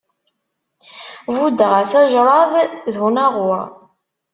Buddeɣ-as ajṛad d unaɣur.